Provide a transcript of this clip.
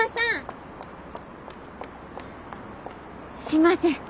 すいません。